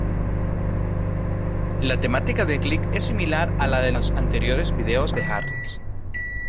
La temática del clip es similar a la de los anteriores videos de Harris.